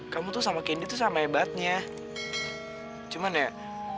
kamu harus jadi diri kamu sendiri angel